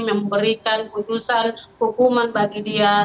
memberikan putusan hukuman bagi dia